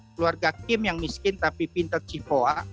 keluarga kim yang miskin tapi pintar cipoa